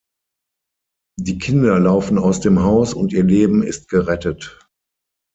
Die Kinder laufen aus dem Haus und ihr Leben ist gerettet.